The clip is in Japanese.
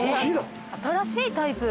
新しいタイプ。